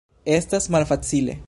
Estas malfacile.